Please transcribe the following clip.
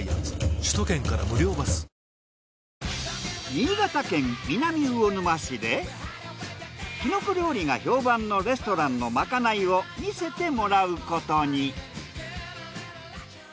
新潟県南魚沼市できのこ料理が評判のレストランのまかないを見せてもらうことに。